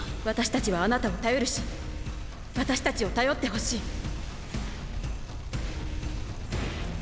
私たちはあなたを頼るし私たちを頼ってほしい。